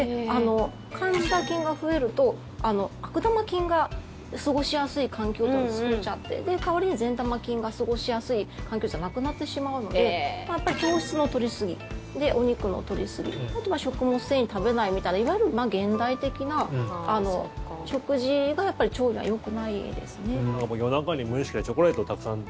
カンジダ菌が増えると悪玉菌が過ごしやすい環境を作っちゃって代わりに善玉菌が過ごしやすい環境じゃなくなってしまうので糖質の取りすぎお肉の取りすぎあとは食物繊維食べないみたいないわゆる現代的な食事が腸にはよくないですね。